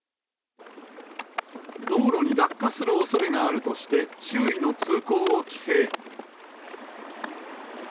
道路に落下するおそれがあるとして、周囲の通行を規制。